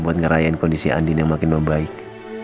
buat ngerayain kondisi andin yang makin membaik